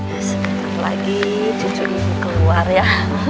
terus sebentar lagi cucu ibu keluar ya